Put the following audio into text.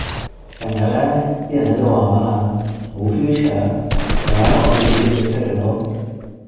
成日呢，啲人喺到話咩呀?無 Future? Well 我哋自己寫出嚟囉！